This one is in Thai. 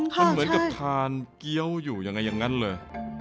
มันเหมือนกับทานเกี้ยวอยู่ยังไงอย่างนั้นเลย